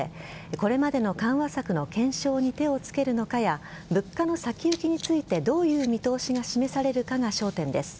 これまでの緩和策の検証に手を付けるのかや物価の先行きについてどういう見通しが示されるかが焦点です。